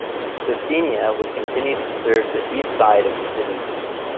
Scecina would continue to serve the east side of the city.